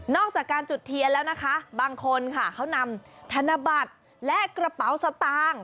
อกจากการจุดเทียนแล้วนะคะบางคนค่ะเขานำธนบัตรและกระเป๋าสตางค์